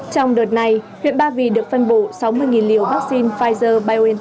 trong đợt này huyện ba vì được phân bộ sáu mươi liều vaccine pfizer